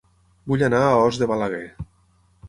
Vull anar a Os de Balaguer